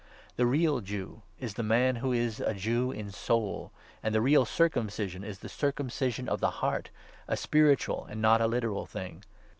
The real Jew is the man who is a Jew in soul ; and 29 the real circumcision is the circumcision of the heart, a spiritual and not a literal thing.